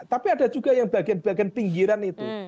tapi ada juga yang bagian bagian pinggiran itu